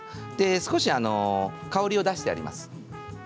少し香りを出してあります。